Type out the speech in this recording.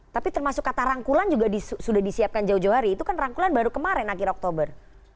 tapi termasuk kata rangkulan juga sudah disiapkan jauh jauh hari itu kan rangkulan baru kemarin akhir oktober